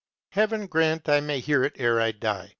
_ Heaven grant I may hear it ere I die!